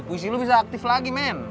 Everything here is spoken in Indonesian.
puisi lo bisa aktif lagi men